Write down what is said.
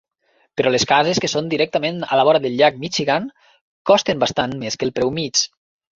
Però les cases que són directament a la vora del llac Michigan costen bastant més que el preu mig.